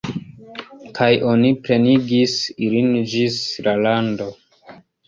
Kaj oni plenigis ilin ĝis la rando.